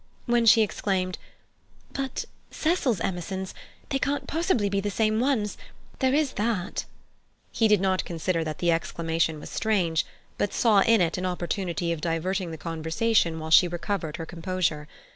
When she exclaimed, "But Cecil's Emersons—they can't possibly be the same ones—there is that—" he did not consider that the exclamation was strange, but saw in it an opportunity of diverting the conversation while she recovered her composure.